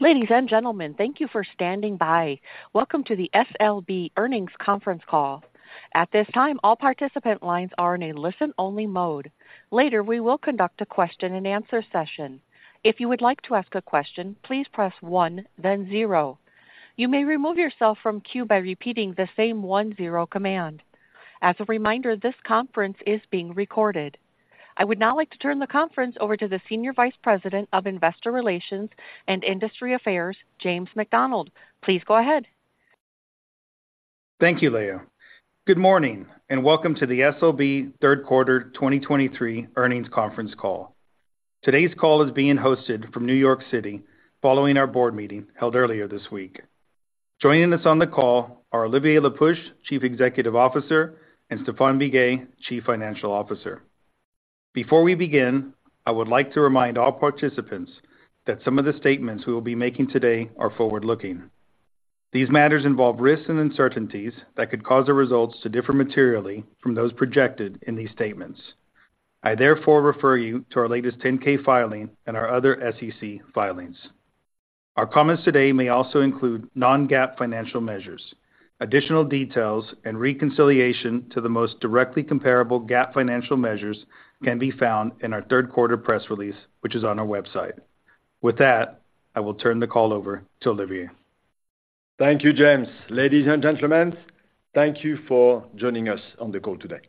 Ladies and gentlemen, thank you for standing by. Welcome to the SLB earnings conference Call. At this time, all participant lines are in a listen-only mode. Later, we will conduct a question-and-answer session. If you would like to ask a question, please press one, then zero. You may remove yourself from queue by repeating the same one, zero command. As a reminder, this conference is being recorded. I would now like to turn the conference over to the Senior Vice President of Investor Relations and Industry Affairs, James McDonald. Please go ahead. Thank you, Leah. Good morning, and welcome to the SLB third quarter 2023 earnings conference call. Today's call is being hosted from New York City, following our Board meeting held earlier this week. Joining us on the call are Olivier Le Peuch, Chief Executive Officer, and Stéphane Biguet, Chief Financial Officer. Before we begin, I would like to remind all participants that some of the statements we will be making today are forward-looking. These matters involve risks and uncertainties that could cause the results to differ materially from those projected in these statements. I therefore refer you to our latest 10-K filing and our other SEC filings. Our comments today may also include non-GAAP financial measures. Additional details and reconciliation to the most directly comparable GAAP financial measures can be found in our third quarter press release, which is on our website. With that, I will turn the call over to Olivier. Thank you, James. Ladies and gentlemen, thank you for joining us on the call today.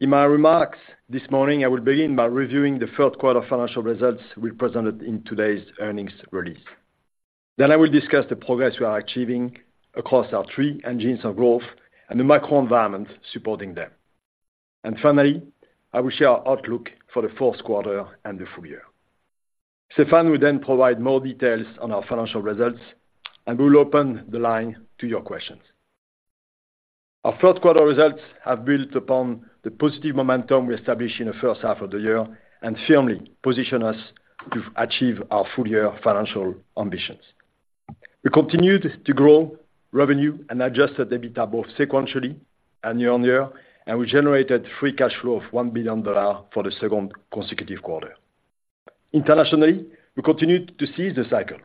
In my remarks this morning, I will begin by reviewing the third quarter financial results we presented in today's earnings release. I will discuss the progress we are achieving across our three engines of growth and the macro environment supporting them. Finally, I will share our outlook for the fourth quarter and the full year. Stéphane will then provide more details on our financial results, and we will open the line to your questions. Our third quarter results have built upon the positive momentum we established in the first half of the year and firmly position us to achieve our full-year financial ambitions. We continued to grow revenue and Adjusted EBITDA both sequentially and year-on-year, and we generated free cash flow of $1 billion for the second consecutive quarter. Internationally, we continued to seize the cycle.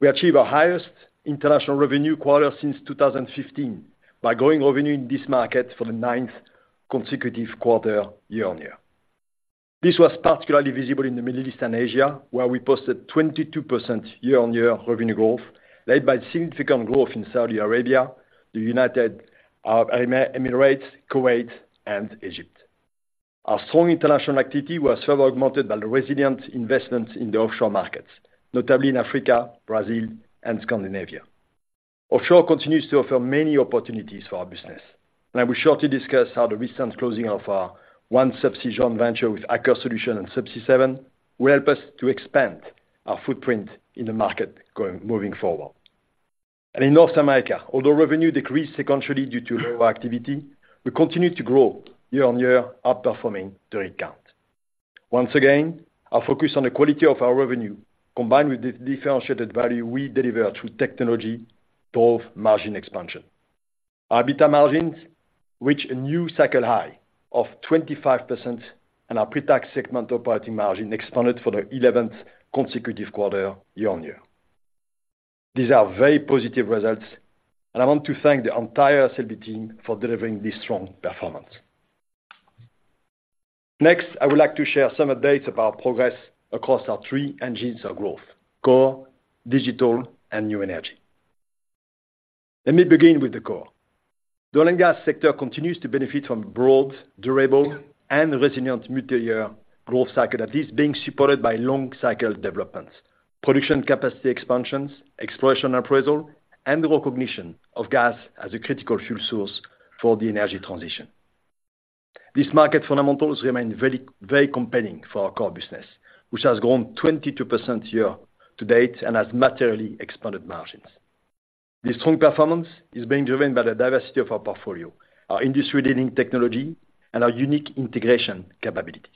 We achieved our highest international revenue quarter since 2015 by growing revenue in this market for the ninth consecutive quarter year-on-year. This was particularly visible in the Middle East and Asia, where we posted 22% year-on-year revenue growth, led by significant growth in Saudi Arabia, the United Emirates, Kuwait, and Egypt. Our strong international activity was further augmented by the resilient investments in the offshore markets, notably in Africa, Brazil, and Scandinavia. Offshore continues to offer many opportunities for our business, and I will shortly discuss how the recent closing of our OneSubsea joint venture with Aker Solutions and Subsea 7 will help us to expand our footprint in the market moving forward. In North America, although revenue decreased sequentially due to lower activity, we continued to grow year-on-year, outperforming the rig count. Once again, our focus on the quality of our revenue, combined with the differentiated value we deliver through technology, drove margin expansion. Our EBITDA margins reached a new cycle high of 25%, and our pre-tax segmental operating margin expanded for the 11th consecutive quarter year-on-year. These are very positive results, and I want to thank the entire SLB team for delivering this strong performance. Next, I would like to share some updates about progress across our three engines of growth: core, digital, and new energy. Let me begin with the core. The oil and gas sector continues to benefit from broad, durable, and resilient multi-year growth cycle that is being supported by long cycle developments, production capacity expansions, exploration appraisal, and the recognition of gas as a critical fuel source for the energy transition. These market fundamentals remain very, very compelling for our core business, which has grown 22% year-to-date and has materially expanded margins. This strong performance is being driven by the diversity of our portfolio, our industry-leading technology, and our unique integration capabilities.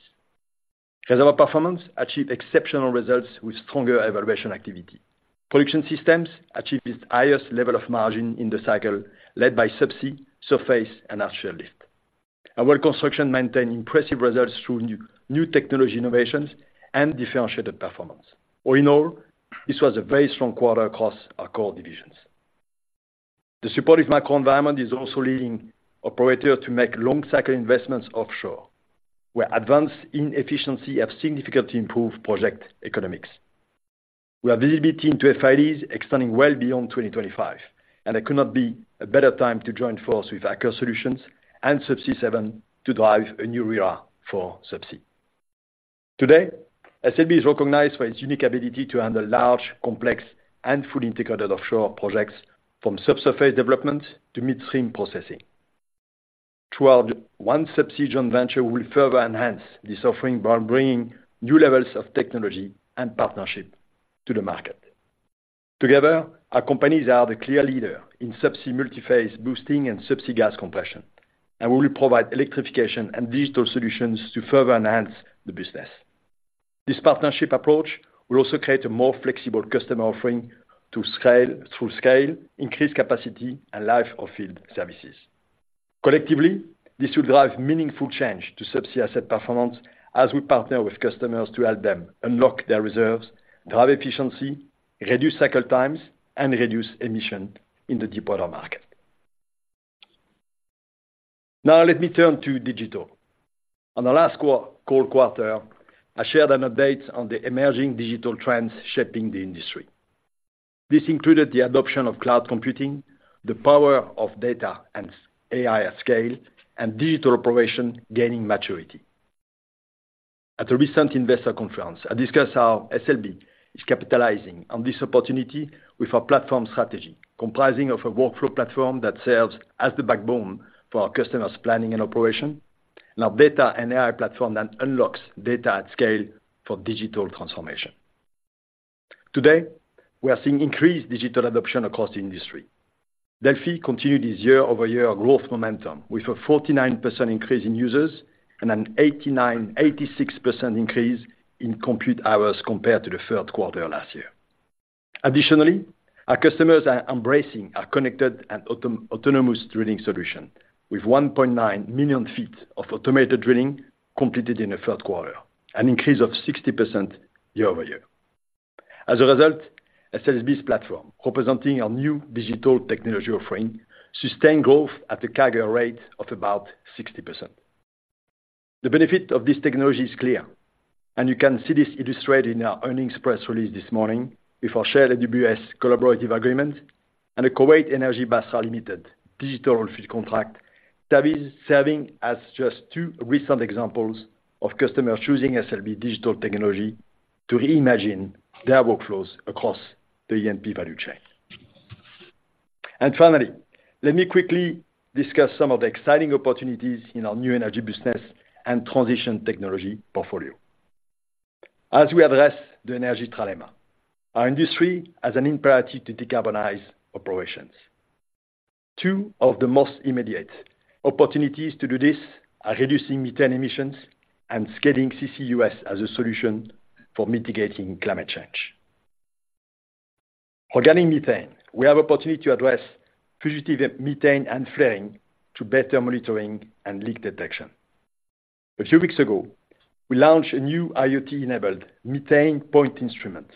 Reservoir Performance achieved exceptional results with stronger evaluation activity. Production Systems achieved its highest level of margin in the cycle, led by Subsea, Surface, and Artificial Lift. Well Construction maintained impressive results through new technology innovations and differentiated performance. All in all, this was a very strong quarter across our core divisions. The supportive macro environment is also leading operators to make long-cycle investments offshore, where advances in efficiency have significantly improved project economics. We have visibility into FID extending well beyond 2025, and there could not be a better time to join forces with Aker Solutions and Subsea 7 to drive a new era for Subsea. Today, SLB is recognized for its unique ability to handle large, complex, and fully integrated offshore projects from subsurface development to midstream processing. Through our OneSubsea venture, we will further enhance this offering by bringing new levels of technology and partnership to the market. Together, our companies are the clear leader in Subsea multiphase boosting and Subsea gas compression, and we will provide electrification and digital solutions to further enhance the business. This partnership approach will also create a more flexible customer offering to scale, through scale, increased capacity, and life-of-field services. Collectively, this will drive meaningful change to Subsea asset performance as we partner with customers to help them unlock their reserves, drive efficiency, reduce cycle times, and reduce emission in the deepwater market. Now, let me turn to digital. On the last quarter, I shared an update on the emerging digital trends shaping the industry. This included the adoption of cloud computing, the power of data and A.I. at scale, and digital operation gaining maturity. At a recent investor conference, I discussed how SLB is capitalizing on this opportunity with our platform strategy, comprising of a workflow platform that serves as the backbone for our customers' planning and operation, and our data and A.I. platform that unlocks data at scale for digital transformation. Today, we are seeing increased digital adoption across the industry. Delfi continued its year-over-year growth momentum, with a 49% increase in users and an 86% increase in compute hours compared to the third quarter last year. Additionally, our customers are embracing our connected and autonomous drilling solution, with 1.9 million feet of automated drilling completed in the third quarter, an increase of 60% year-over-year. As a result, SLB's platform, representing our new digital technology offering, sustained growth at a CAGR rate of about 60%. The benefit of this technology is clear, and you can see this illustrated in our earnings press release this morning with our Shell and AWS collaborative agreement and a Kuwait Energy Basra Limited digital field contract that is serving as just two recent examples of customers choosing SLB digital technology to reimagine their workflows across the E&P value chain. Finally, let me quickly discuss some of the exciting opportunities in our New Energy business and Transition Technologies portfolio. As we address the energy dilemma, our industry has an imperative to decarbonize operations. Two of the most immediate opportunities to do this are reducing methane emissions and scaling CCUS as a solution for mitigating climate change. On methane, we have opportunity to address fugitive methane and flaring to better monitoring and leak detection. A few weeks ago, we launched a new IoT-enabled methane point instrument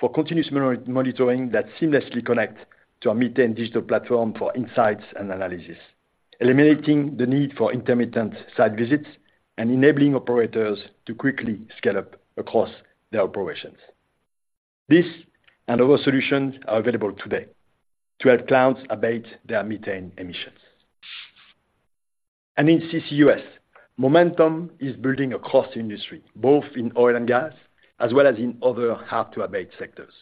for continuous monitoring that seamlessly connect to our methane digital platform for insights and analysis, eliminating the need for intermittent site visits and enabling operators to quickly scale up across their operations. This and other solutions are available today to help clients abate their methane emissions. In CCUS, momentum is building across the industry, both in oil and gas, as well as in other hard-to-abate sectors.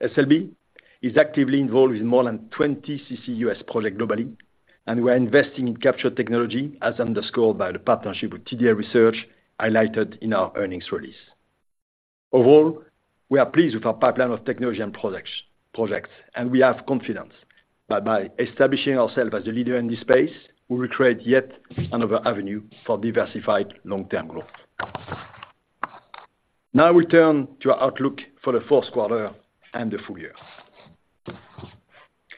SLB is actively involved with more than 20 CCUS project globally, and we are investing in capture technology, as underscored by the partnership with TDA Research, highlighted in our earnings release. Overall, we are pleased with our pipeline of technology and projects, and we have confidence that by establishing ourselves as a leader in this space, we will create yet another avenue for diversified long-term growth. Now, we turn to our outlook for the fourth quarter and the full year.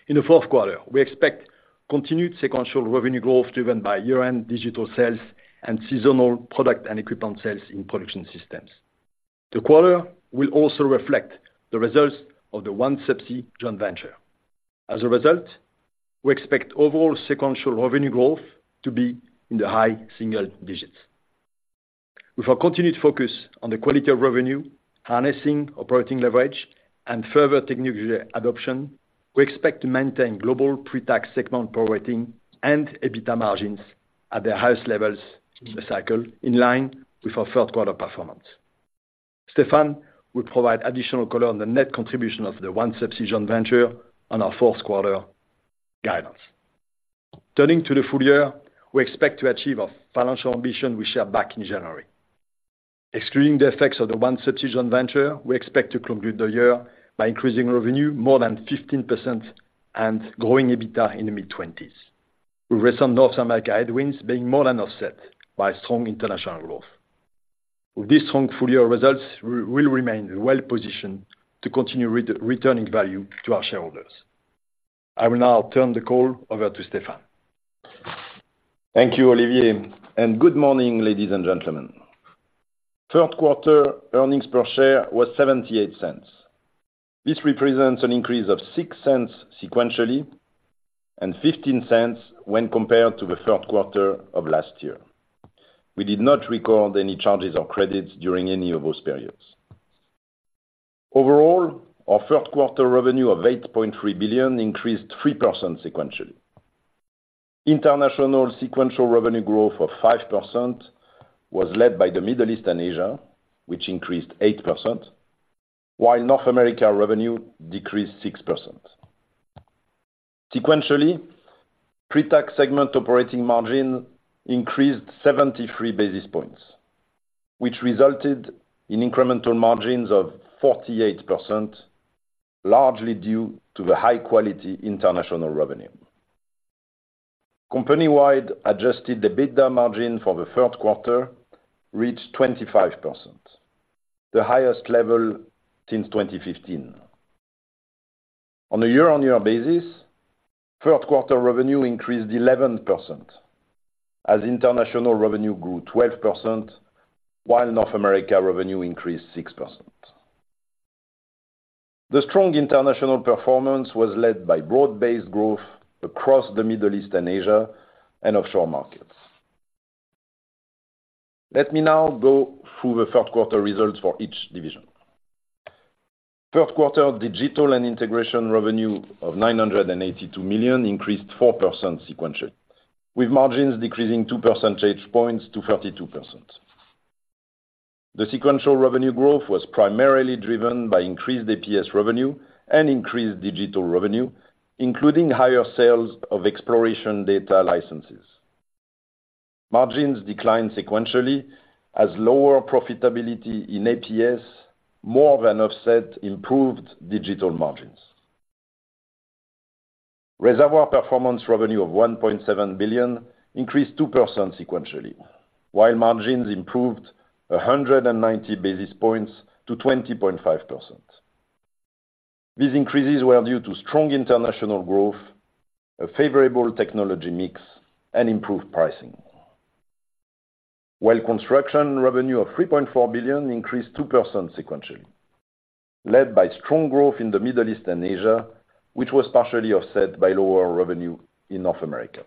In the fourth quarter, we expect continued sequential revenue growth, driven by year-end digital sales and seasonal product and equipment sales in Production Systems. The quarter will also reflect the results of the OneSubsea joint venture. As a result, we expect overall sequential revenue growth to be in the high single digits. With our continued focus on the quality of revenue, harnessing operating leverage, and further technical adoption, we expect to maintain global pre-tax segment operating and EBITDA margins at their highest levels in the cycle, in line with our third quarter performance. Stéphane will provide additional color on the net contribution of the OneSubsea venture on our fourth quarter guidance. Turning to the full year, we expect to achieve our financial ambition we shared back in January. Excluding the effects of the OneSubsea venture, we expect to conclude the year by increasing revenue more than 15% and growing EBITDA in the mid-20s, with recent North America headwinds being more than offset by strong international growth. With these strong full-year results, we'll remain well positioned to continue returning value to our shareholders. I will now turn the call over to Stéphane. Thank you, Olivier, and good morning, ladies and gentlemen. Third quarter earnings per share was $0.78. This represents an increase of $0.06 sequentially and $0.15 when compared to the third quarter of last year. We did not record any charges or credits during any of those periods. Overall, our third quarter revenue of $8.3 billion increased 3% sequentially. International sequential revenue growth of 5% was led by the Middle East and Asia, which increased 8%, while North America revenue decreased 6%. Sequentially, pre-tax segment operating margin increased 73 basis points, which resulted in incremental margins of 48%, largely due to the high-quality international revenue. Company-wide Adjusted EBITDA margin for the third quarter reached 25%, the highest level since 2015. On a year-on-year basis, third quarter revenue increased 11%, as international revenue grew 12%, while North America revenue increased 6%. The strong international performance was led by broad-based growth across the Middle East and Asia and offshore markets. Let me now go through the third quarter results for each division. Third quarter Digital and Integration revenue of $982 million increased 4% sequentially, with margins decreasing 2 percentage points to 32%. The sequential revenue growth was primarily driven by increased APS revenue and increased digital revenue, including higher sales of exploration data licenses. Margins declined sequentially as lower profitability in APS more than offset improved digital margins. Reservoir Performance revenue of $1.7 billion increased 2% sequentially, while margins improved 190 basis points to 20.5%. These increases were due to strong international growth, a favorable technology mix, and improved pricing. Well Construction revenue of $3.4 billion increased 2% sequentially, led by strong growth in the Middle East and Asia, which was partially offset by lower revenue in North America.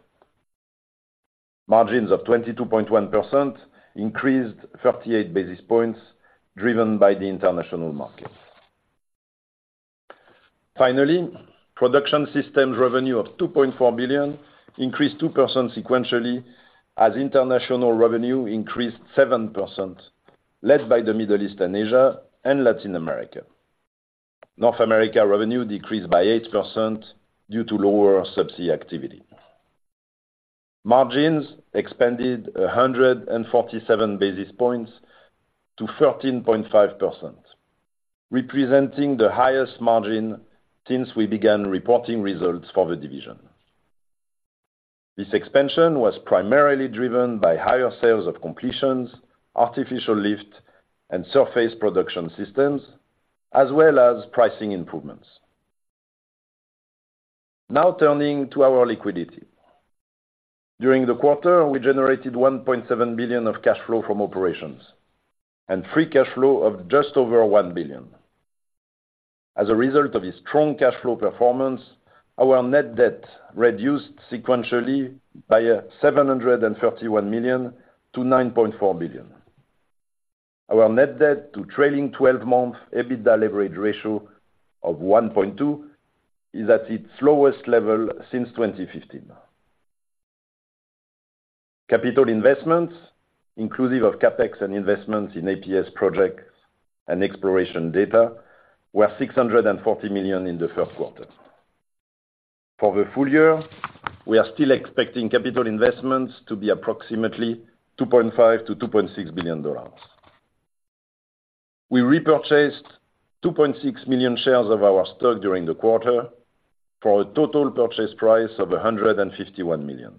Margins of 22.1% increased 38 basis points, driven by the international market. Finally, Production Systems revenue of $2.4 billion increased 2% sequentially, as international revenue increased 7%, led by the Middle East and Asia and Latin America. North America revenue decreased by 8% due to lower Subsea activity. Margins expanded 147 basis points to 13.5%, representing the highest margin since we began reporting results for the division. This expansion was primarily driven by higher sales of completions, Artificial Lift, and Surface production systems, as well as pricing improvements. Now turning to our liquidity. During the quarter, we generated $1.7 billion of cash flow from operations and free cash flow of just over $1 billion. As a result of this strong cash flow performance, our net debt reduced sequentially by $731 million to $9.4 billion. Our net debt to trailing 12-month EBITDA leverage ratio of 1.2 is at its lowest level since 2015. Capital investments, inclusive of CapEx and investments in APS projects and exploration data, were $640 million in the third quarter. For the full year, we are still expecting capital investments to be approximately $2.5 billion-$2.6 billion. We repurchased 2.6 million shares of our stock during the quarter for a total purchase price of $151 million.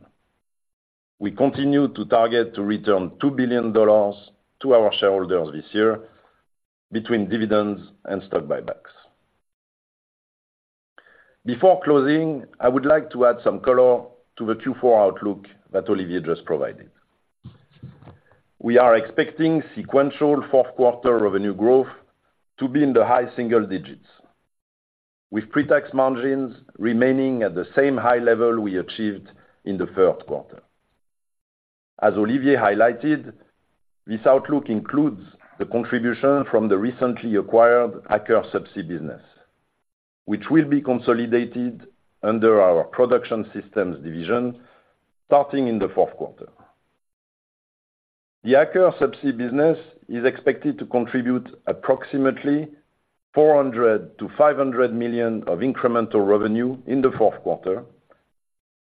We continue to target to return $2 billion to our shareholders this year between dividends and stock buybacks. Before closing, I would like to add some color to the Q4 outlook that Olivier just provided. We are expecting sequential fourth quarter revenue growth to be in the high single digits, with pre-tax margins remaining at the same high level we achieved in the third quarter. As Olivier highlighted, this outlook includes the contribution from the recently acquired Aker Subsea business, which will be consolidated under our Production Systems division starting in the fourth quarter. The Aker Subsea business is expected to contribute approximately $400 million-$500 million of incremental revenue in the fourth quarter,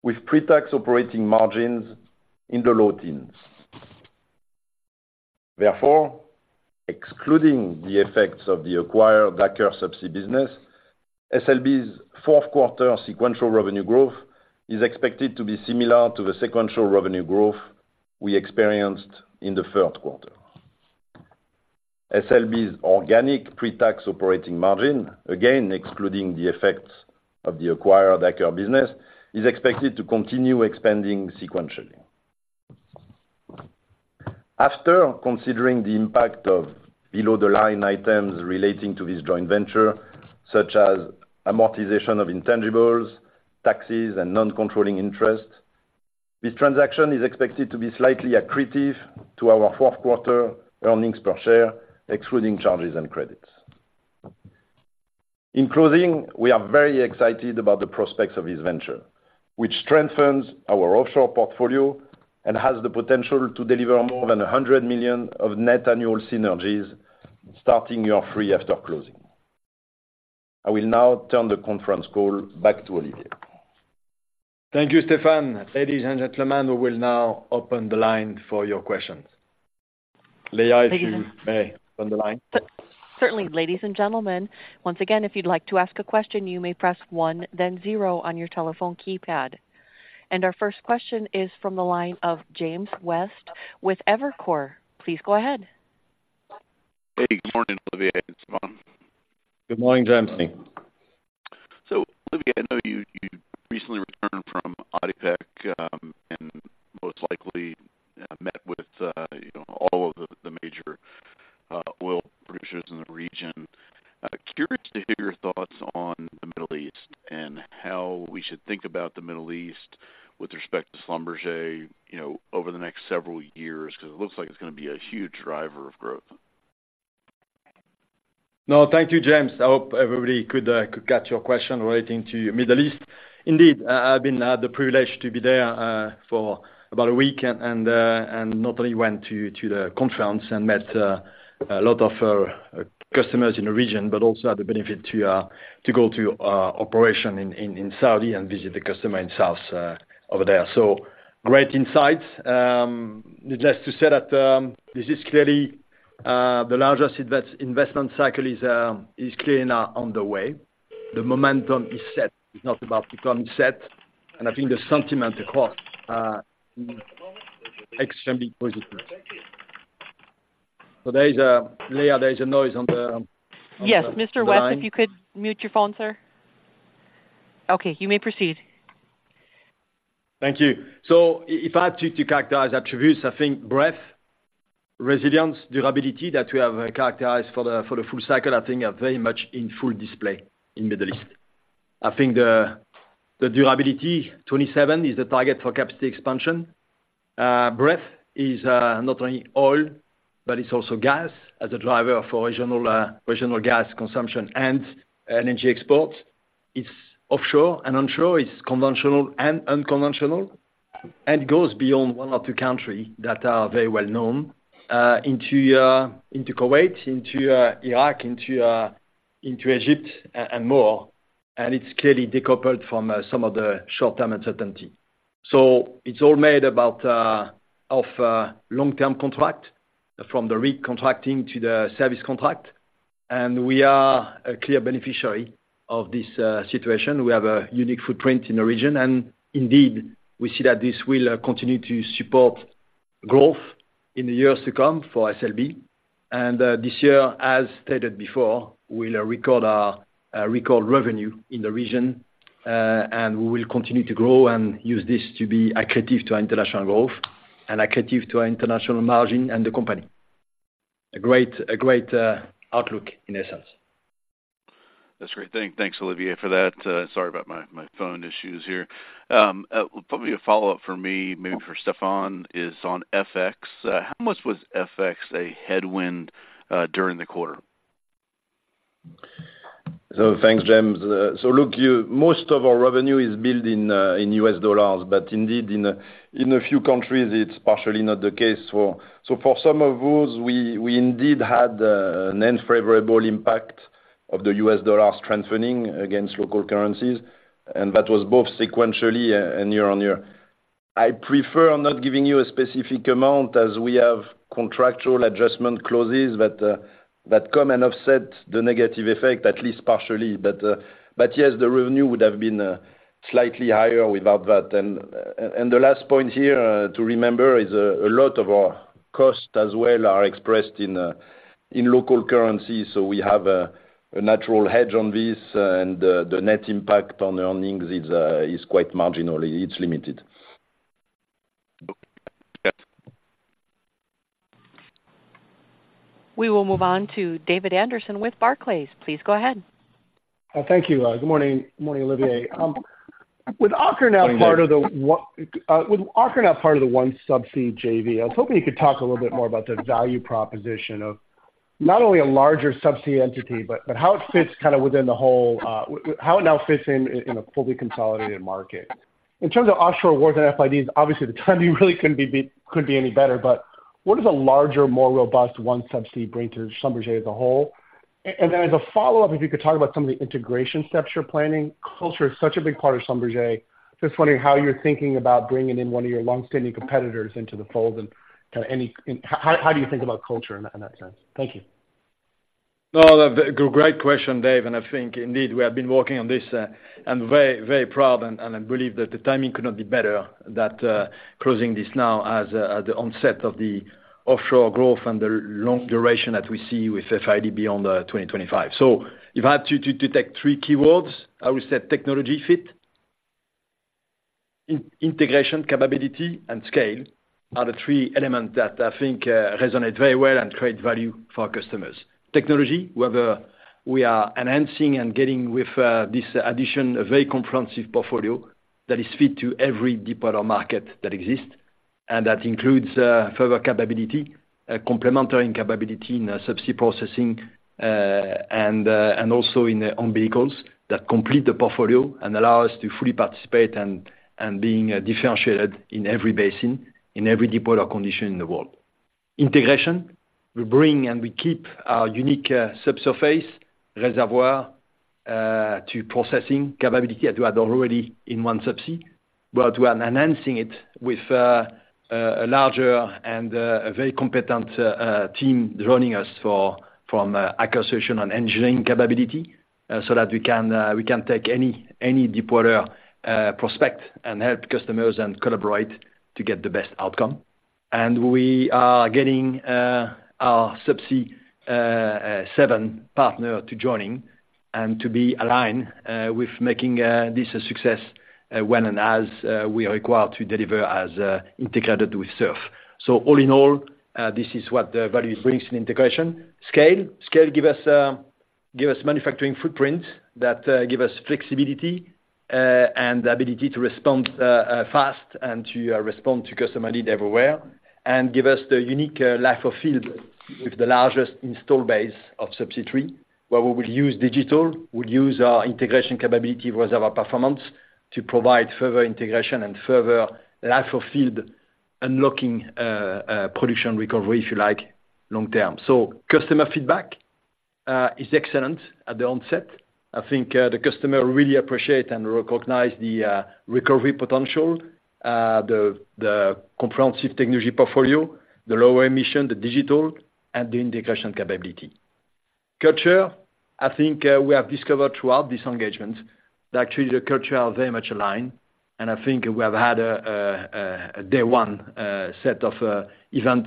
with pre-tax operating margins in the low teens. Therefore, excluding the effects of the acquired Aker Subsea business, SLB's fourth quarter sequential revenue growth is expected to be similar to the sequential revenue growth we experienced in the third quarter. SLB's organic pre-tax operating margin, again, excluding the effects of the acquired Aker business, is expected to continue expanding sequentially. After considering the impact of below-the-line items relating to this joint venture, such as amortization of intangibles, taxes, and non-controlling interest, this transaction is expected to be slightly accretive to our fourth quarter earnings per share, excluding charges and credits. In closing, we are very excited about the prospects of this venture, which strengthens our offshore portfolio and has the potential to deliver more than $100 million of net annual synergies starting year three after closing. I will now turn the conference call back to Olivier. Thank you, Stéphane. Ladies and gentlemen, we will now open the line for your questions. Leah, if you may, open the line. Certainly. Ladies and gentlemen, once again, if you'd like to ask a question, you may press one, then zero on your telephone keypad. Our first question is from the line of James West with Evercore. Please go ahead. Hey, good morning, Olivier and Stéphane. Good morning, James. Olivier, I know you recently returned from ADIPEC and most likely met with, you know, all of the major oil producers in the region. Curious to hear your thoughts on the Middle East and how we should think about the Middle East with respect to Schlumberger, you know, over the next several years, because it looks like it's going to be a huge driver of growth. No, thank you, James. I hope everybody could get your question relating to Middle East. Indeed, I've been privileged to be there for about a week and not only went to the conference and met a lot of our customers in the region, but also had the benefit to go to operation in Saudi and visit the customer in south over there. Great insights. Just to say that this is clearly the largest investment cycle is clearly now on the way. The momentum is set, is not about to come set, and I think the sentiment across extremely positive. There is a, Leah, there is a noise on the line. Yes, Mr. West, if you could mute your phone, sir. Okay, you may proceed. Thank you. If I had to characterize attributes, I think breadth, resilience, durability, that we have characterized for the full cycle, I think are very much in full display in Middle East. I think the durability, 2027 is the target for capacity expansion. Breadth is not only oil, but it's also gas as a driver for regional gas consumption and energy export. It's offshore and onshore, it's conventional and unconventional, and goes beyond one or two country that are very well known into Kuwait, into Iraq, into Egypt and more, and it's clearly decoupled from some of the short-term uncertainty. It's all made about of long-term contract, from the recontracting to the service contract. We are a clear beneficiary of this situation. We have a unique footprint in the region, and indeed, we see that this will continue to support growth in the years to come for SLB. This year, as stated before, we'll record our record revenue in the region, and we will continue to grow and use this to be accretive to our international growth and accretive to our international margin and the company. A great outlook in essence. That's great. Thanks, Olivier, for that. Sorry about my phone issues here. Probably a follow-up for me, maybe for Stéphane, is on FX. How much was FX a headwind during the quarter? Thanks, James. Look, most of our revenue is billed in US dollars, but indeed, in a few countries, it's partially not the case. For some of those, we indeed had an unfavorable impact of the US dollar strengthening against local currencies, and that was both sequentially and year-on-year. I prefer not giving you a specific amount as we have contractual adjustment clauses that come and offset the negative effect, at least partially. Yes, the revenue would have been slightly higher without that. The last point here to remember is a lot of our costs as well are expressed in local currency, so we have a natural hedge on this, and the net impact on earnings is quite marginally. It's limited. Okay. We will move on to David Anderson with Barclays. Please go ahead. Thank you. Good morning. Morning, Olivier. With Aker now part of the One- Morning, Dave. With Aker now part of the OneSubsea J.V., I was hoping you could talk a little bit more about the value proposition of not only a larger Subsea entity, but how it fits kind of within the whole how it now fits in in a fully consolidated market. In terms of offshore awards and FIDs, obviously, the timing really couldn't be any better, but what does a larger, more robust OneSubsea bring to Schlumberger as a whole? Then as a follow-up, if you could talk about some of the integration steps you're planning. Culture is such a big part of Schlumberger. Just wondering how you're thinking about bringing in one of your long-standing competitors into the fold and kind of any... How do you think about culture in that sense? Thank you. No, the great question, Dave. I think indeed, we have been working on this and very, very proud and I believe that the timing could not be better, that closing this now as the onset of the offshore growth and the long duration that we see with FID beyond 2025. If I had to take three keywords, I would say technology fit, integration capability, and scale are the three elements that I think resonate very well and create value for our customers. Technology, whether we are enhancing and getting with this addition, a very comprehensive portfolio that is fit to every deepwater market that exists. That includes further capability, a complementary capability in Subsea processing and also in own vehicles that complete the portfolio and allow us to fully participate and being differentiated in every basin, in every deepwater condition in the world. Integration, we bring and we keep our unique subsurface reservoir to processing capability that we had already in OneSubsea, but we are enhancing it with a larger and a very competent team joining us from acquisition and engineering capability so that we can take any deepwater prospect and help customers and collaborate to get the best outcome. We are getting our Subsea 7 partner to joining and to be aligned with making this a success when and as we are required to deliver as integrated with SURF. All in all, this is what the value brings in integration. Scale. Scale give us manufacturing footprint that give us flexibility and the ability to respond fast and to respond to customer need everywhere. Give us the unique life of field with the largest install base of Subsea Tree, where we will use digital, we'll use our integration capability Reservoir Performance, to provide further integration and further life of field, unlocking production recovery, if you like, long term. Customer feedback is excellent at the onset. I think the customer really appreciate and recognize the recovery potential, the comprehensive technology portfolio, the lower emission, the digital, and the integration capability. Culture, I think we have discovered throughout this engagement that actually the culture are very much aligned. I think we have had a day one set of event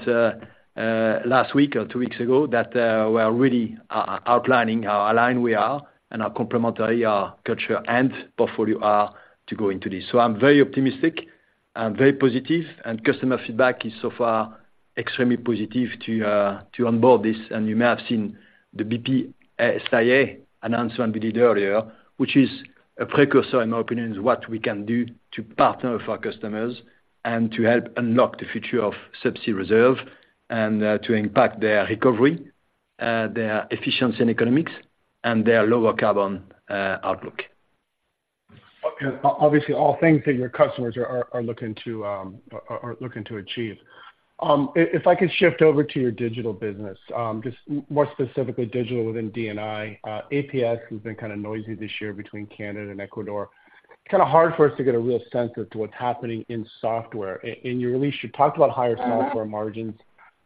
last week or two weeks ago, that we are really outlining how aligned we are and how complementary our culture and portfolio are to go into this. I'm very optimistic and very positive, and customer feedback is so far extremely positive to onboard this. You may have seen the BP STA announcement we did earlier, which is a precursor, in my opinion, is what we can do to partner with our customers and to help unlock the future of Subsea reserve and to impact their recovery, their efficiency and economics, and their lower-carbon outlook. Okay. Obviously, all things that your customers are looking to achieve. If I could shift over to your digital business, just more specifically, digital within DNI. APS has been kind of noisy this year between Canada and Ecuador. Kinda hard for us to get a real sense as to what's happening in software. In your release, you talked about higher software margins.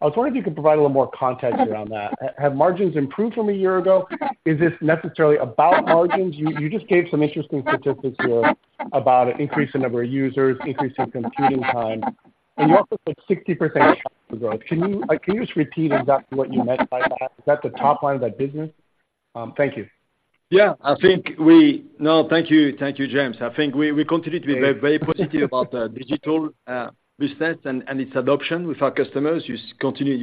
I was wondering if you could provide a little more context around that. Have margins improved from a year ago? Is this necessarily about margins? You just gave some interesting statistics here about an increase in number of users, increase in computing time, and you also said 60% growth. Can you just repeat exactly what you meant by that? Is that the top line of that business? Thank you. Yeah, No, thank you. Thank you, James. I think we continue to be very, very positive about the digital business and its adoption with our customers. You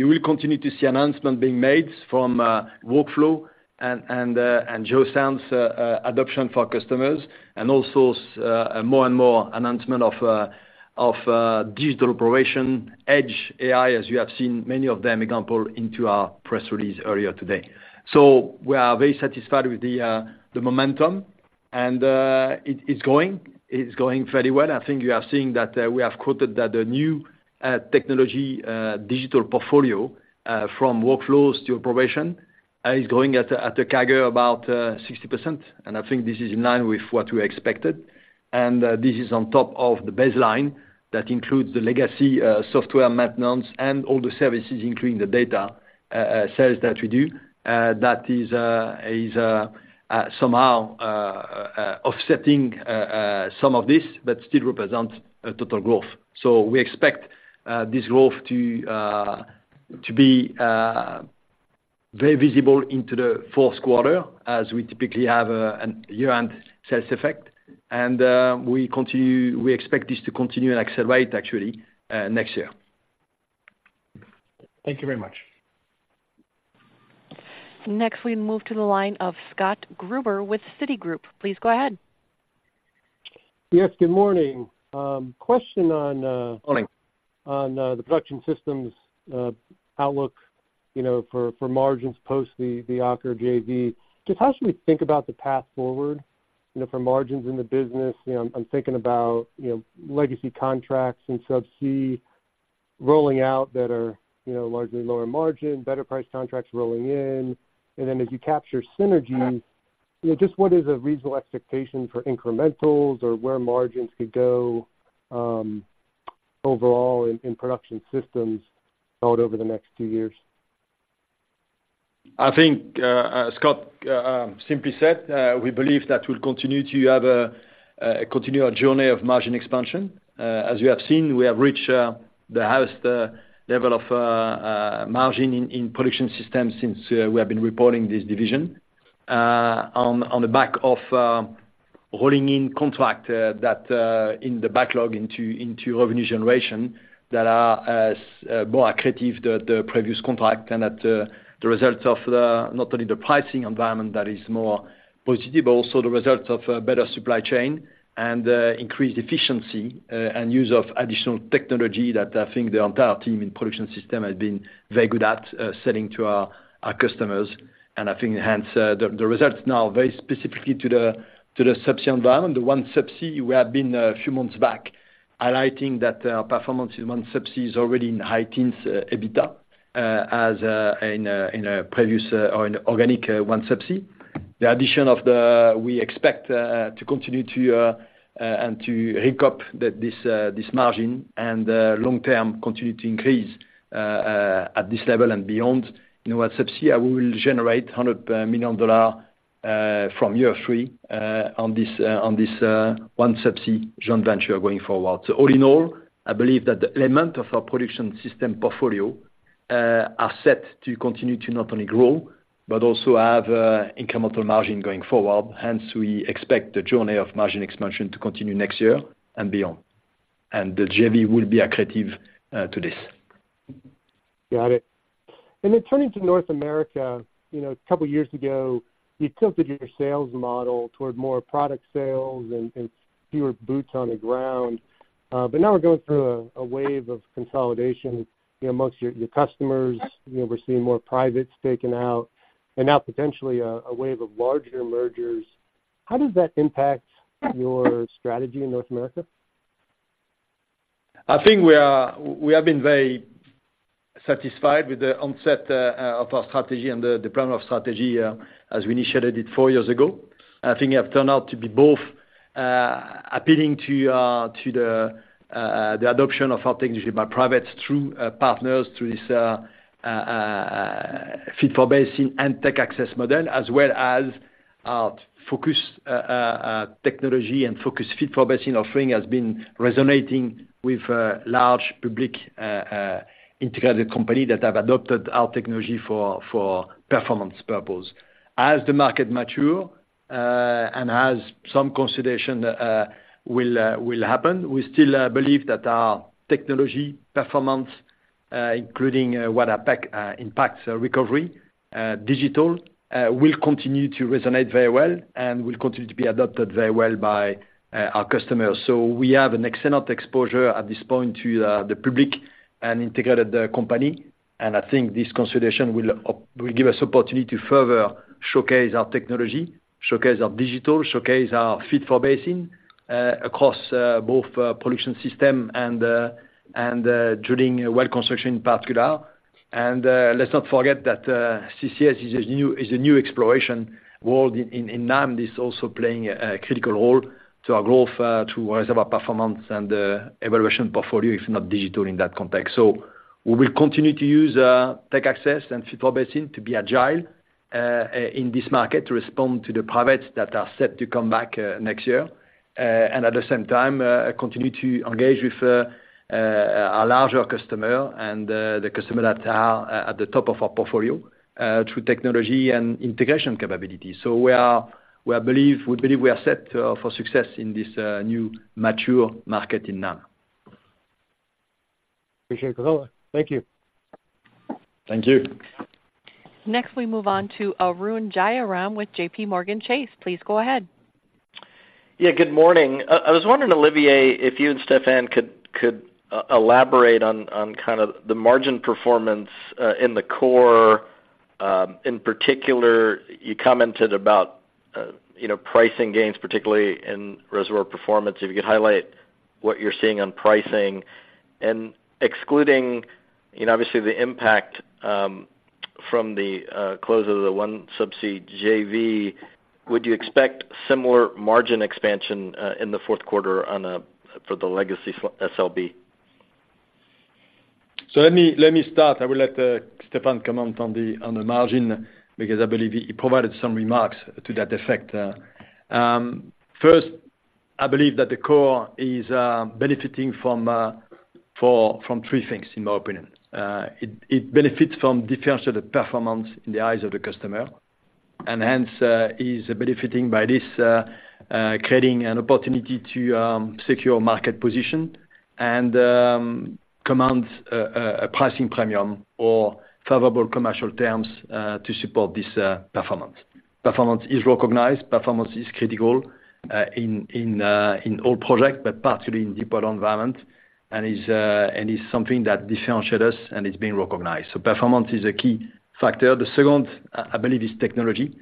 will continue to see announcement being made from workflows and JOYN's adoption for customers, and also more and more announcement of digital operation, Edge AI, as you have seen many of them example into our press release earlier today. We are very satisfied with the momentum, and it's going fairly well. I think you are seeing that we have quoted that the new technology digital portfolio from workflows to operation is going at a CAGR about 60%, and I think this is in line with what we expected. This is on top of the baseline that includes the legacy software maintenance and all the services, including the data sales that we do. That is somehow offsetting some of this, but still represents a total growth. We expect this growth to be very visible into the fourth quarter, as we typically have a year-end sales effect. We expect this to continue and accelerate, actually, next year. Thank you very much. Next, we move to the line of Scott Gruber with Citigroup. Please go ahead. Yes, good morning. Question on. Morning. On the Production Systems outlook, you know, for margins post the Aker J.V., just how should we think about the path forward, you know, for margins in the business? You know, I'm thinking about, you know, legacy contracts and Subsea rolling out that are, you know, largely lower margin, better price contracts rolling in. Then as you capture synergies, you know, just what is a reasonable expectation for incrementals or where margins could go overall in Production Systems out over the next two years? I think, Scott, simply said, we believe that we'll continue to have a, continue our journey of margin expansion. As you have seen, we have reached the highest level of margin in Production Systems since we have been reporting this division. On the back of holding in contract that in the backlog into revenue generation, that are more accretive the previous contract. And that the result of not only the pricing environment that is more positive, but also the result of a better supply chain and increased efficiency and use of additional technology that I think the entire team in Production Systems has been very good at selling to our customers. I think, hence, the results now. Very specifically to the Subsea environment, OneSubsea, we have been a few months back highlighting that performance in OneSubsea is already in high teens EBITDA as in a previous or in organic OneSubsea. We expect to continue to and to hiccup that this margin and long term continue to increase at this level and beyond. You know, at Subsea, we will generate $100 million from year three on this OneSubsea joint venture going forward. All in all, I believe that the element of our Production Systems portfolio are set to continue to not only grow, but also have incremental margin going forward. Hence, we expect the journey of margin expansion to continue next year and beyond, and the J.V. will be accretive to this. Got it. Turning to North America, you know, a couple of years ago, you tilted your sales model toward more product sales and fewer boots on the ground. Now we're going through a wave of consolidation, you know, most of your customers, you know, we're seeing more privates taken out and now potentially a wave of larger mergers. How does that impact your strategy in North America? I think we have been very satisfied with the onset of our strategy and the plan of strategy as we initiated it four years ago. I think it have turned out to be both appealing to the adoption of our technology by privates through partners through this fit-for-basin and tech access model, as well as focused technology and focused fit-for-basin offering has been resonating with large public integrated company that have adopted our technology for performance purpose. As the market mature, and as some consolidation will happen, we still believe that our technology performance, including what impacts recovery, digital will continue to resonate very well and will continue to be adopted very well by our customers. We have an excellent exposure at this point to the public and integrated company. I think this consolidation will give us opportunity to further showcase our technology, showcase our digital, showcase our fit for basin across both production system and drilling well construction in particular. Let's not forget that CCS is a new exploration world in NAM and is also playing a critical role to our growth, to Reservoir Performance and evaluation portfolio, if not digital in that context. We will continue to use tech access and fit for basin to be agile in this market, to respond to the privates that are set to come back next year, and at the same time, continue to engage with a larger customer and the customer that are at the top of our portfolio through technology and integration capability. We believe we are set for success in this new mature market in NAM. Appreciate it, Olivier. Thank you. Thank you. Next, we move on to Arun Jayaram with JPMorgan Chase. Please go ahead. Yeah, good morning. I was wondering, Olivier, if you and Stéphane could elaborate on kind of the margin performance in the core. In particular, you commented about, you know, pricing gains, particularly in Reservoir Performance. If you could highlight what you're seeing on pricing and, excluding, you know, obviously the impact from the close of the OneSubsea J.V., would you expect similar margin expansion in the fourth quarter for the legacy SLB? Let me start. I will let Stéphane comment on the margin because I believe he provided some remarks to that effect. First, I believe that the core is benefiting from three things, in my opinion. It benefits from differentiated performance in the eyes of the customer and, hence, is benefiting by this creating an opportunity to secure market position and command a pricing premium or favorable commercial terms to support this performance. Performance is recognized. Performance is critical in all projects, but particularly in deeper environment, and is something that differentiate us and it's being recognized. Performance is a key factor. The second, I believe, is Technology.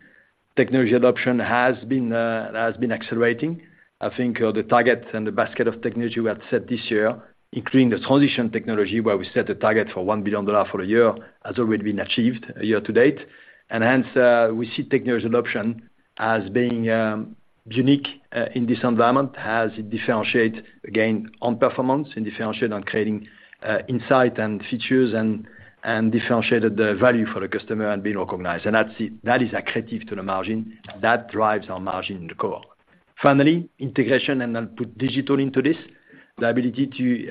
Technology adoption has been accelerating. I think the target and the basket of technology we have set this year, including the Transition Technology, where we set a target for $1 billion for a year, has already been achieved year-to-date. Hence, we see technology adoption as being unique in this environment as it differentiate, again, on performance, and differentiate on creating insight and features and differentiated the value for the customer and being recognized. That is accretive to the margin, and that drives our margin in the core. Finally, integration, and I'll put digital into this, the ability to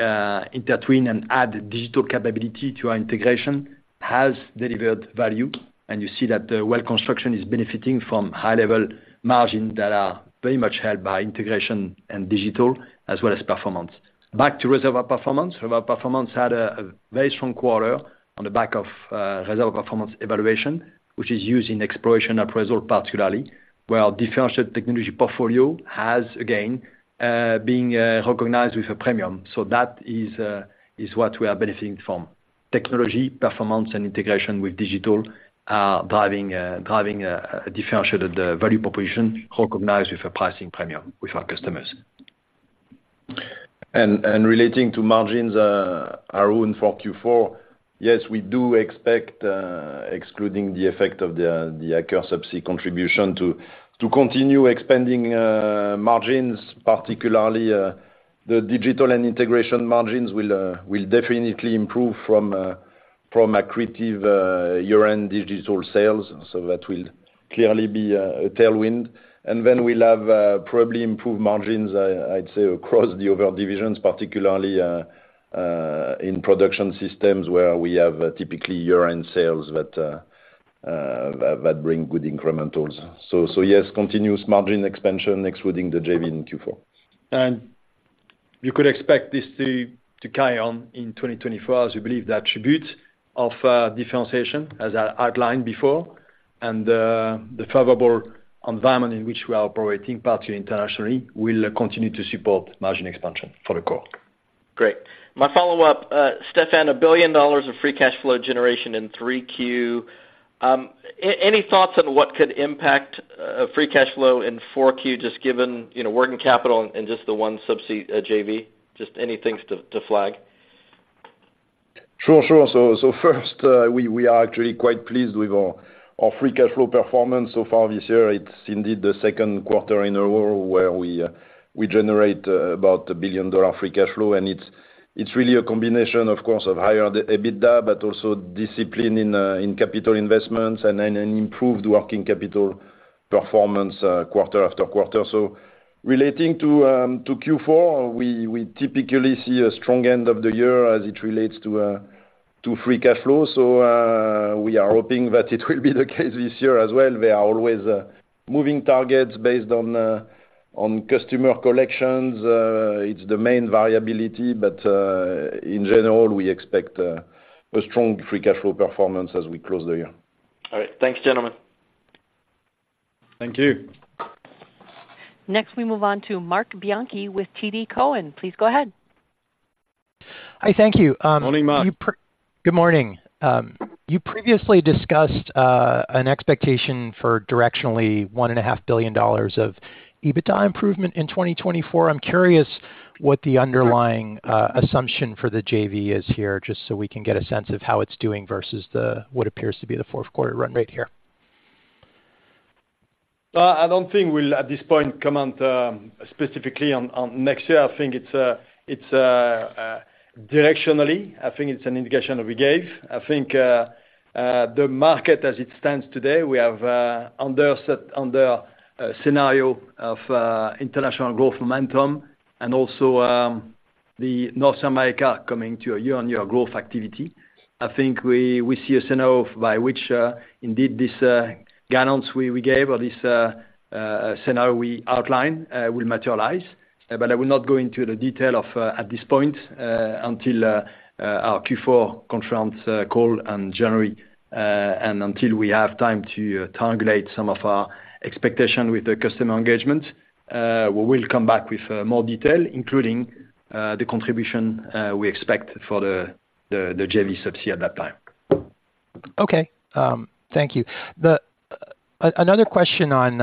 intertwin and add digital capability to our integration has delivered value, and you see that the Well Construction is benefiting from high-level margins that are very much held by integration and digital, as well as performance. Back to Reservoir Performance. Reservoir Performance had a very strong quarter on the back of Reservoir Performance evaluation, which is used in exploration appraisal, particularly, where our differentiated technology portfolio has, again, being recognized with a premium. That is what we are benefiting from. Technology, performance, and integration with digital are driving a differentiated value proposition, recognized with a pricing premium with our customers. Relating to margins, Arun, for Q4, yes, we do expect, excluding the effect of the Aker Subsea contribution, to continue expanding margins. Particularly, the Digital and Integration margins will definitely improve from accretive year-end digital sales. That will clearly be a tailwind. Then we'll have probably improved margins, I'd say, across the other divisions, particularly in Production Systems, where we have typically year-end sales that bring good incrementals. Yes, continuous margin expansion excluding the J.V. in Q4. You could expect this to carry on in 2024, as we believe the attribute of differentiation, as I outlined before, and the favorable environment in which we are operating, partly internationally, will continue to support margin expansion for the core. Great. My follow-up, Stéphane, $1 billion of free cash flow generation in 3Q. Any thoughts on what could impact free cash flow in 4Q, just given, you know, working capital and just the OneSubsea J.V.? Just any things to flag. Sure, sure. First, we are actually quite pleased with our free cash flow performance so far this year. It's indeed the second quarter in a row where we generate about a billion-dollar free cash flow. It's really a combination, of course, of higher EBITDA, but also discipline in capital investments and then an improved working capital performance quarter-after-quarter. Relating to Q4, we typically see a strong end of the year as it relates to free cash flow. We are hoping that it will be the case this year as well. We are always moving targets based on customer collections. It's the main variability, but in general, we expect a strong free cash flow performance as we close the year. All right. Thanks, gentlemen. Thank you. Next, we move on to Marc Bianchi with TD Cowen. Please go ahead. Hi. Thank you. Morning, Marc. Good morning. You previously discussed an expectation for directionally $1.5 billion of EBITDA improvement in 2024. I'm curious what the underlying assumption for the JV is here, just so we can get a sense of how it's doing versus the what appears to be the fourth quarter run rate here. I don't think we'll, at this point, comment specifically on next year. I think it's directionally, I think it's an indication that we gave. I think the market as it stands today, we have under scenario of international growth momentum and also North America coming to a year-on-year growth activity. I think we see a scenario by which indeed this guidance we gave or this scenario we outlined will materialize. I will not go into the detail of at this point until our Q4 confirmed call in January and until we have time to translate some of our expectation with the customer engagement. We will come back with more detail, including the contribution we expect for the J.V. Subsea at that time. Okay. Thank you. Another question on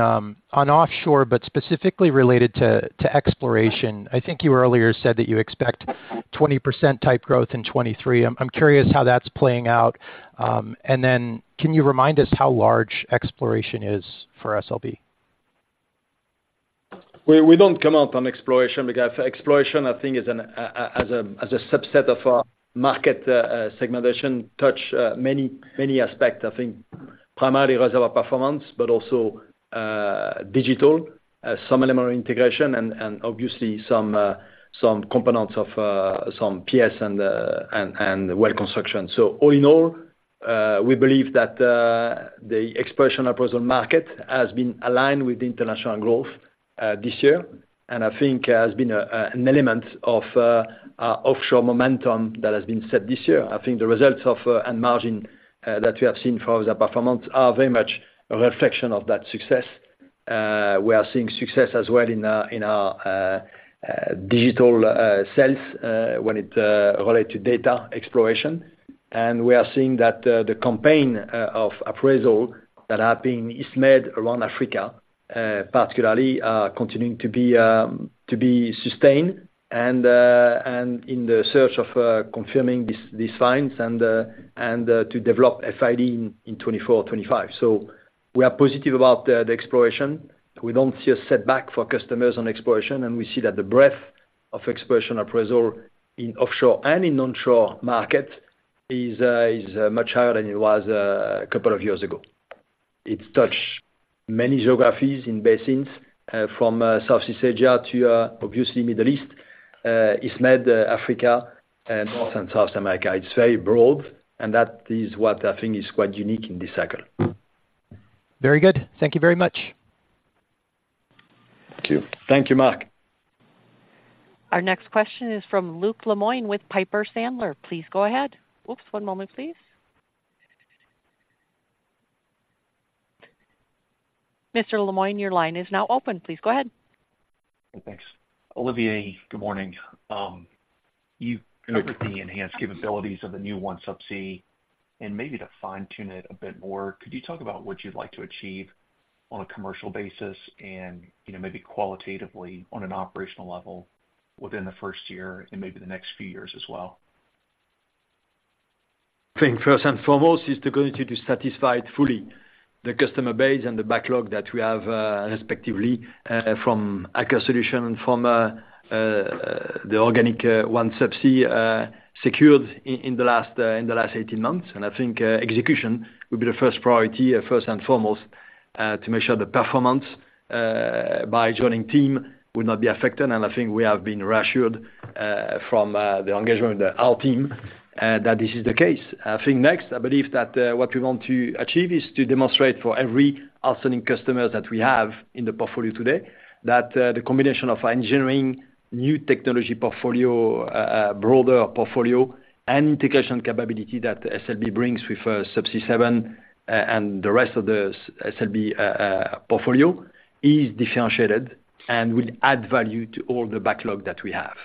offshore, but specifically related to exploration. I think you earlier said that you expect 20% type growth in 2023. I'm curious how that's playing out. Can you remind us how large exploration is for SLB? We don't comment on exploration because exploration, I think, is a subset of our market segmentation, touch many, many aspects. I think primarily Reservoir Performance, but also Digital, some element Integration and obviously some components of some P.S. and Well Construction. All in all, we believe that the exploration appraisal market has been aligned with the international growth this year. I think has been an element of offshore momentum that has been set this year. I think the results of and margin that we have seen for the Performance are very much a reflection of that success. We are seeing success as well in our digital sales when it relate to data exploration. We are seeing that the campaign of appraisal that are being made around Africa, particularly, are continuing to be sustained and in the search of confirming these finds and to develop FID in 2024-2025. We are positive about the exploration. We don't see a setback for customers on exploration, and we see that the breadth of exploration appraisal in offshore and in onshore market is much higher than it was a couple of years ago. It's touched many geographies in basins from South East Asia to obviously Middle East, Africa and North and South America. It's very broad, and that is what I think is quite unique in this cycle. Very good. Thank you very much. Thank you. Thank you, Marc. Our next question is from Luke Lemoine with Piper Sandler. Please go ahead. Oops, one moment, please. Mr. Lemoine, your line is now open. Please go ahead. Thanks. Olivier, good morning. You've covered the enhanced capabilities of the new OneSubsea. Maybe to fine-tune it a bit more, could you talk about what you'd like to achieve on a commercial basis and, you know, maybe qualitatively on an operational level within the first year and maybe the next few years as well? I think first and foremost is the ability to satisfy fully the customer base and the backlog that we have, respectively, from Aker Solutions, from the organic OneSubsea, secured in the last 18 months. I think execution will be the first priority, first and foremost, to make sure the performance by joining team will not be affected. I think we have been reassured from the engagement with our team that this is the case.I think next, I believe that what we want to achieve is to demonstrate for every outstanding customers that we have in the portfolio today, that the combination of engineering, new technology portfolio, broader portfolio, and integration capability that SLB brings with Subsea 7 and the rest of the SLB portfolio is differentiated and will add value to all the backlog that we have.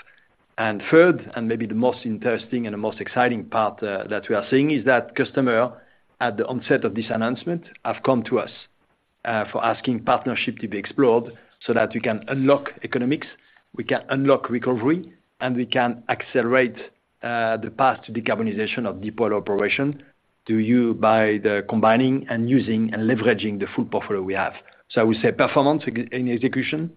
Third, and maybe the most interesting and the most exciting part that we are seeing is that customer, at the onset of this announcement, have come to us for asking partnership to be explored so that we can unlock economics, we can unlock recovery, and we can accelerate the path to decarbonization of deploy operation to you by the combining and using and leveraging the full portfolio we have. I would say performance in execution.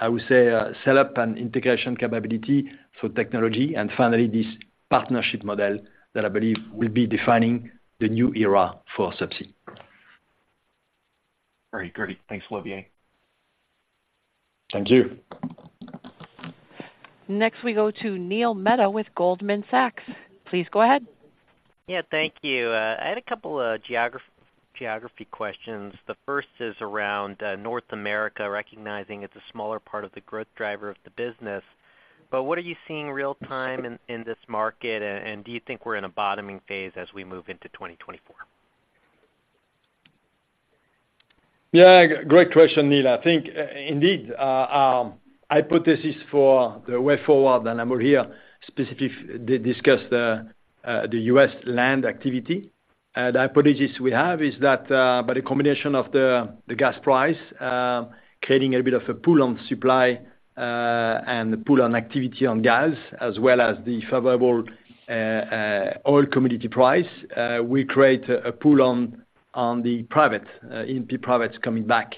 I would say setup and integration capability for technology, and finally, this partnership model that I believe will be defining the new era for Subsea. Very great. Thanks, Olivier. Thank you. Next, we go to Neil Mehta with Goldman Sachs. Please go ahead. Yeah, thank you. I had a couple of geography questions. The first is around North America, recognizing it's a smaller part of the growth driver of the business. What are you seeing real-time in this market, and do you think we're in a bottoming phase as we move into 2024? Yeah, great question, Neil. I think indeed our hypothesis for the way forward, and Amir here did discuss the U.S. land activity. The hypothesis we have is that by the combination of the gas price creating a bit of a pull on supply and pull on activity on gas, as well as the favorable oil commodity price, we create a pull on the private E&P private coming back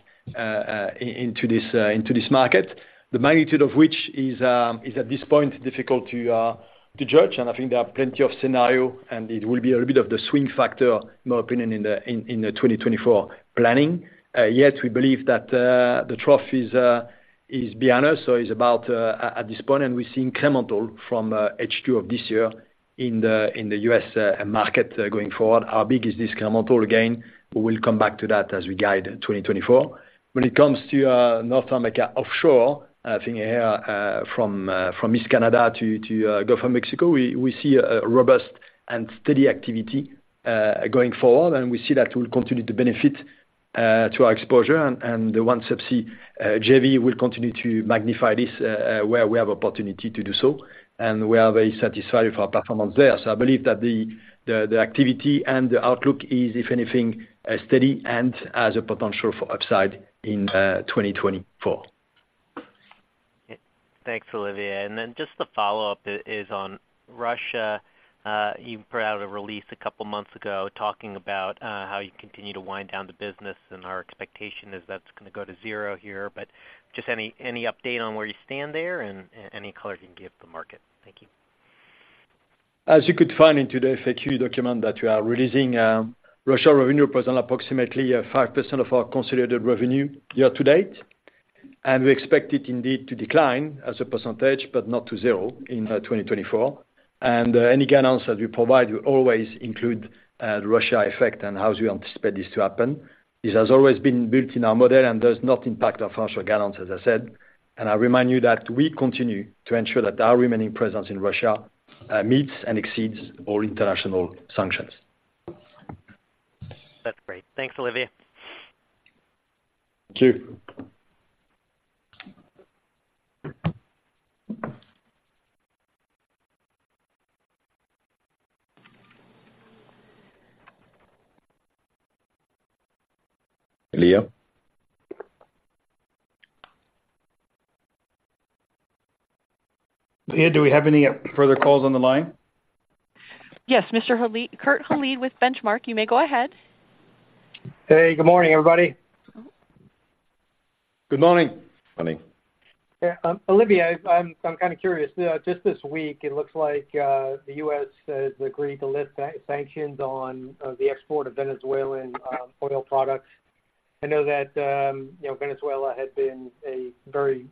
into this market. The magnitude of which is at this point difficult to judge, and I think there are plenty of scenario, and it will be a bit of the swing factor, in my opinion, in the 2024 planning. Yet we believe that the trough is behind us, so is about at this point, and we're seeing incremental from H2 of this year in the U.S. market going forward. How big is this incremental again? We will come back to that as we guide 2024. When it comes to North America offshore, I think from East Canada to Gulf of Mexico, we see a robust and steady activity going forward, and we see that will continue to benefit to our exposure, and the OneSubsea J.V. will continue to magnify this where we have opportunity to do so, and we are very satisfied with our performance there. I believe that the activity and the outlook is, if anything, steady and has a potential for upside in 2024. Thanks, Olivier. Just the follow-up is on Russia. You put out a release a couple months ago talking about how you continue to wind down the business, and our expectation is that's gonna go to zero here. Just any update on where you stand there and any color you can give the market? Thank you. As you could find in today's FAQ document that we are releasing, Russia revenue present approximately 5% of our consolidated revenue year-to-date. We expect it indeed to decline as a percentage, but not to zero in 2024. Any guidance that we provide will always include Russia effect and how we anticipate this to happen. This has always been built in our model and does not impact our financial guidance, as I said. I remind you that we continue to ensure that our remaining presence in Russia meets and exceeds all international sanctions. That's great. Thanks, Olivier. Thank you. Do we have any further calls on the line? Yes, Kurt Hallead with Benchmark. You may go ahead. Hey, good morning, everybody. Good morning. Morning. Yeah, Olivier, I'm kind of curious. Just this week, it looks like the U.S. has agreed to lift sanctions on the export of Venezuelan oil products. I know that, you know, Venezuela had been a very,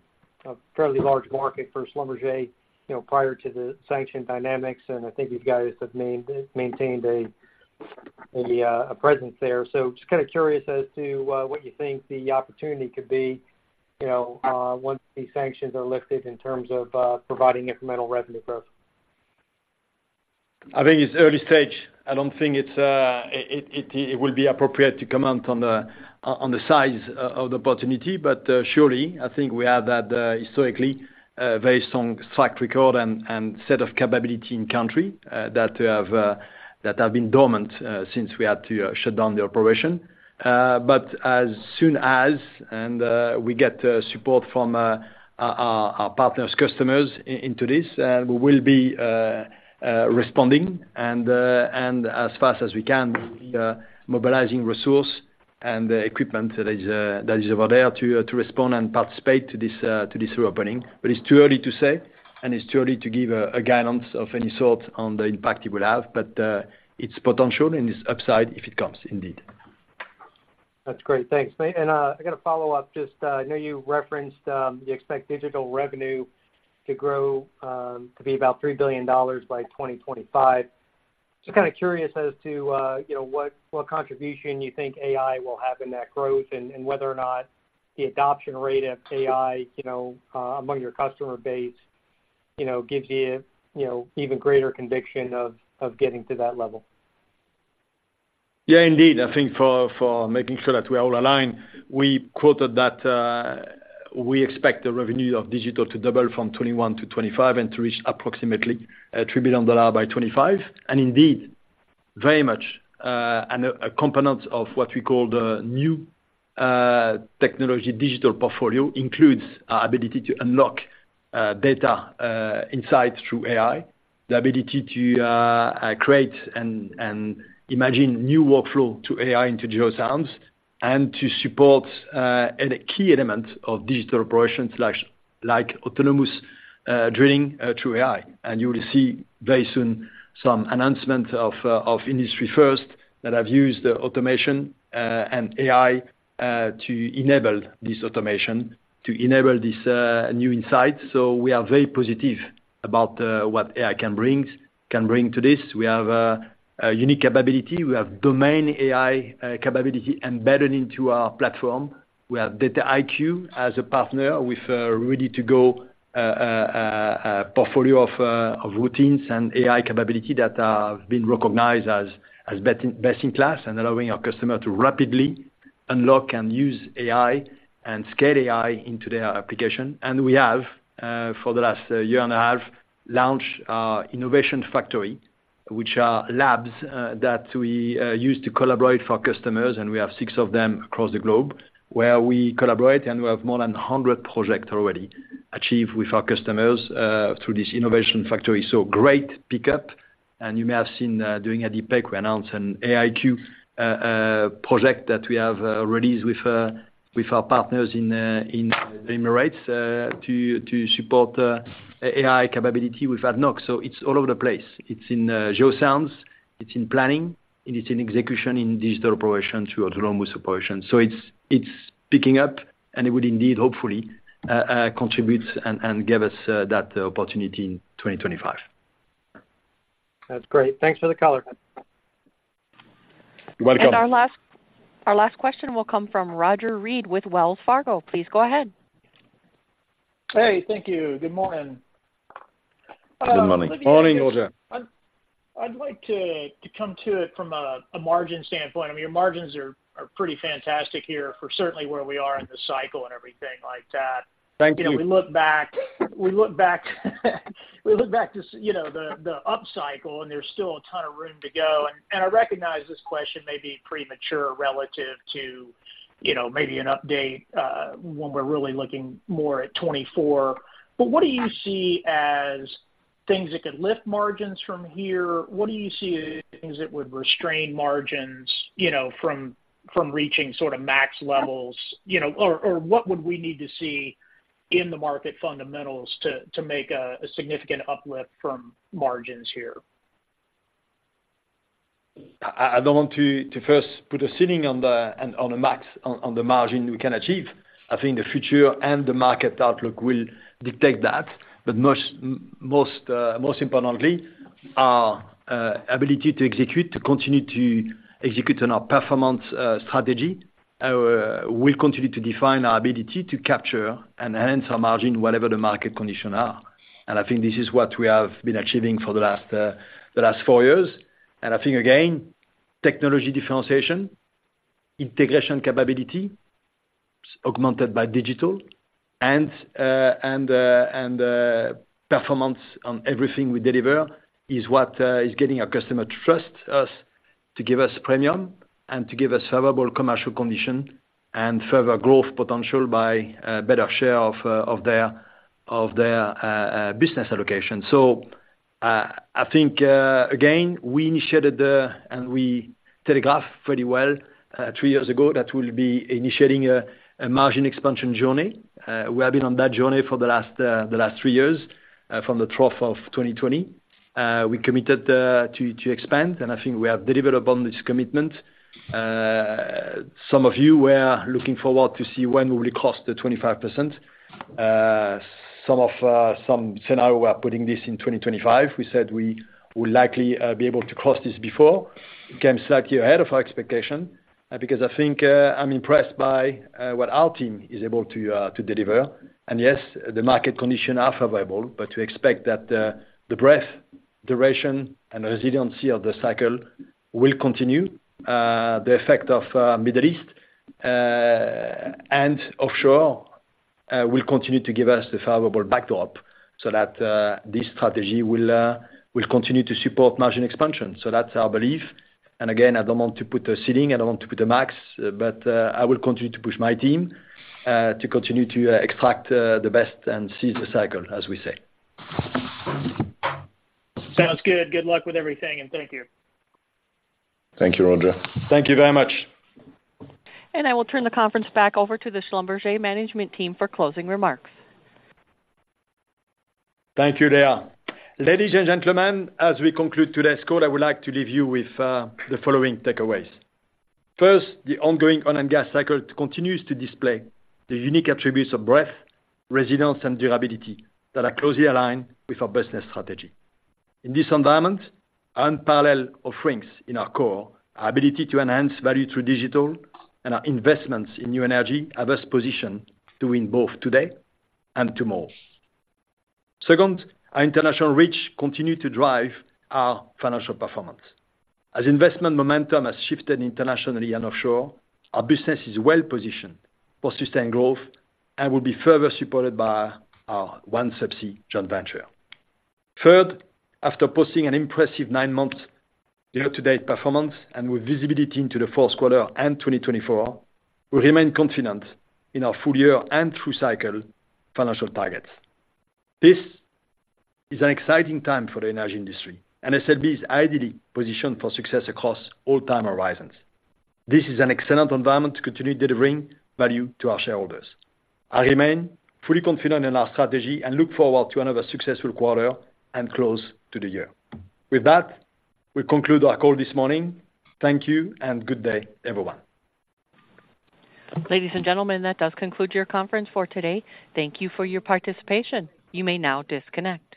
a fairly large market for Schlumberger, you know, prior to the sanction dynamics, and I think you guys have maintained a presence there. Just kind of curious as to what you think the opportunity could be, you know, once these sanctions are lifted in terms of providing incremental revenue growth? I think it's early stage. I don't think it will be appropriate to comment on the size of the opportunity. Surely, I think we have had historically a very strong track record and set of capability in country that have been dormant since we had to shut down the operation. As soon as we get support from our partners, customers into this, we will be responding and, as fast as we can, mobilizing resource and equipment that is available to respond and participate to this reopening. It's too early to say, and it's too early to give a guidance of any sort on the impact it will have, but its potential and its upside if it comes, indeed. That's great. Thanks. I got a follow-up. Just I know you referenced you expect digital revenue to grow to be about $3 billion by 2025. Just kinda curious as to, you know, what contribution you think AI will have in that growth, and whether or not the adoption rate of AI, you know, among your customer base, you know, gives you, you know, even greater conviction of getting to that level? Yeah, indeed. I think for making sure that we are all aligned, we quoted that we expect the revenue of digital to double from 2021 to 2025 and to reach approximately $3 billion by 2025. Indeed, very much a component of what we call the new technology digital portfolio includes our ability to unlock data insights through AI, the ability to create and imagine new workflow to AI into geoscience, and to support a key element of digital operations, like autonomous drilling through AI. You will see very soon some announcement of industry first that have used automation and AI to enable this automation, to enable this new insight. We are very positive about what AI can bring to this. We have a unique capability. We have domain AI capability embedded into our platform. We have Dataiku as a partner with a ready-to-go portfolio of routines and AI capability that are being recognized as best-in-class and allowing our customer to rapidly unlock and use AI and scale AI into their application. We have, for the last year and a half, launched our Innovation Factory, which are labs that we use to collaborate for customers. We have six of them across the globe where we collaborate, and we have more than 100 projects already achieved with our customers through this Innovation Factory. Great pickup, and you may have seen during ADIPEC, we announced an AIQ project that we have released with our partners in the Emirates to support AI capability with ADNOC. It's all over the place. It's in geoscience, it's in planning, and it's in execution in digital operations, through autonomous operations. It's picking up, and it would indeed, hopefully, contribute and give us that opportunity in 2025. That's great. Thanks for the color. You're welcome. Our last question will come from Roger Read with Wells Fargo. Please go ahead. Hey, thank you. Good morning. Good morning. Morning, Roger. I'd like to come to it from a margin standpoint. I mean, your margins are pretty fantastic here for certainly where we are in the cycle and everything like that. Thank you. You know, we look back to, you know, the upcycle, and there's still a ton of room to go. I recognize this question may be premature relative to, you know, maybe an update when we're really looking more at 2024. What do you see as things that could lift margins from here? What do you see as things that would restrain margins, you know, from reaching sort of max levels? You know, what would we need to see in the market fundamentals to make a significant uplift from margins here? I don't want to first put a ceiling on the margin we can achieve. I think the future and the market outlook will dictate that. Most importantly, our ability to execute, to continue to execute on our performance strategy will continue to define our ability to capture and enhance our margin, whatever the market conditions are. I think this is what we have been achieving for the last four years. I think, again, technology differentiation, integration capability, augmented by digital, and performance on everything we deliver is what is getting our customer to trust us, to give us premium, and to give us favorable commercial condition and further growth potential by better share of their business allocation. I think, again, we initiated and we telegraphed pretty well three years ago that we will be initiating a margin expansion journey. We have been on that journey for the last three years from the trough of 2020. We committed to expand, and I think we have delivered upon this commitment. Some of you were looking forward to see when we will cross the 25%. Some scenario, we are putting this in 2025. We said we will likely be able to cross this before. We came slightly ahead of our expectation. I think I'm impressed by what our team is able to deliver. Yes, the market condition are favorable, but we expect that the breadth, duration, and resiliency of the cycle will continue. The effect of Middle East and offshore will continue to give us the favorable backdrop, so that this strategy will continue to support margin expansion. That's our belief. Again, I don't want to put a ceiling, I don't want to put a max, but I will continue to push my team to continue to extract the best and seize the cycle, as we say. Sounds good. Good luck with everything, and thank you. Thank you, Roger. Thank you very much. I will turn the conference back over to the Schlumberger management team for closing remarks. Thank you, Leah. Ladies and gentlemen, as we conclude today's call, I would like to leave you with the following takeaways. First, the ongoing oil and gas cycle continues to display the unique attributes of breadth, resilience, and durability that are closely aligned with our business strategy. In this environment, unparalleled offerings in our core, our ability to enhance value through digital, and our investments in new energy, have us positioned to win both today and tomorrow. Second, our international reach continue to drive our financial performance. As investment momentum has shifted internationally and offshore, our business is well positioned for sustained growth and will be further supported by our OneSubsea joint venture. Third, after posting an impressive nine-month year-to-date performance and with visibility into the fourth quarter and 2024, we remain confident in our full year and through cycle financial targets. This is an exciting time for the energy industry, and SLB is ideally positioned for success across all time horizons. This is an excellent environment to continue delivering value to our shareholders. I remain fully confident in our strategy and look forward to another successful quarter and close to the year. With that, we conclude our call this morning. Thank you and good day, everyone. Ladies and gentlemen, that does conclude your conference for today. Thank you for your participation. You may now disconnect.